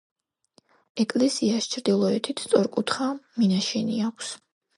ეკლესიას ჩრდილოეთით სწორკუთხა მინაშენი აქვს.